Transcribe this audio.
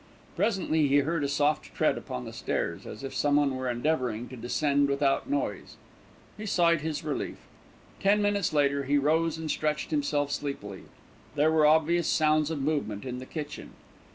Presently he heard a soft tread upon the stairs, as if someone were endeavouring to descend without noise. He sighed his relief. Ten minutes later he rose and stretched himself sleepily. There were obvious sounds of movement in the kitchen.